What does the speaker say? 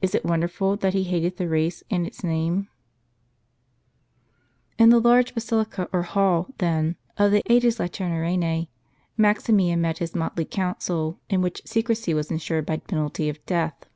Is it wonder ful that he hated the race and its name ? In the large basilica, or hall, then, of the ^des Lateranae,* Maximian met his motley council, in which secrecy was * The Lateran house or palace. w ensured by penalty of death.